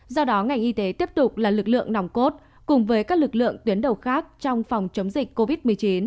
do đó ngành y tế tiếp tục là lực lượng nòng cốt cùng với các lực lượng tuyến đầu khác trong phòng chống dịch covid một mươi chín